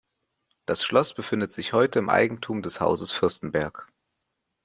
Das Schloss befindet sich heute im Eigentum des Hauses Fürstenberg.